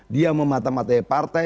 dia mematamatai partai